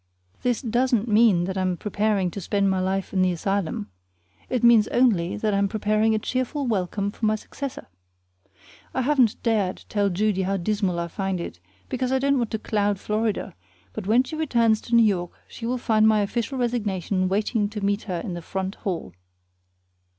This doesn't mean that I'm preparing to spend my life in the asylum. It means only that I'm preparing a cheerful welcome for my successor. I haven't dared tell Judy how dismal I find it, because I don't want to cloud Florida; but when she returns to New York she will find my official resignation waiting to meet her in the front hall.